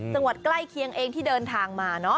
จังหวัดใกล้เคียงเองที่เดินทางมา